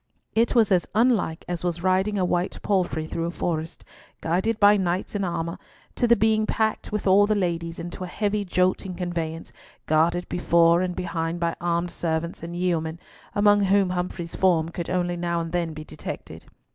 It was as unlike as was riding a white palfrey through a forest, guided by knights in armour, to the being packed with all the ladies into a heavy jolting conveyance, guarded before and behind by armed servants and yeomen, among whom Humfrey's form could only now and then be detected.